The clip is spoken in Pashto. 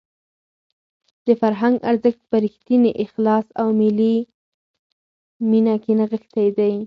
د فرهنګ ارزښت په رښتیني اخلاص او په ملي مینه کې نغښتی دی.